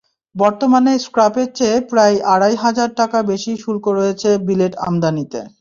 বর্তমানে স্ক্র্যাপের চেয়ে প্রায় আড়াই হাজার টাকা বেশি শুল্ক রয়েছে বিলেট আমদানিতে।